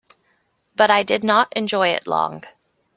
But I did not enjoy it long.